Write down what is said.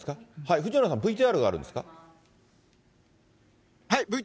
藤村さん、ＶＴＲがあるんですか？